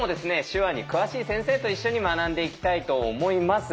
手話に詳しい先生と一緒に学んでいきたいと思います。